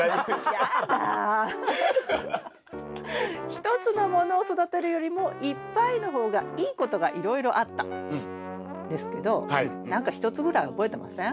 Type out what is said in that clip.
１つのものを育てるよりもいっぱいの方がいいことがいろいろあったんですけど何か１つぐらい覚えてません？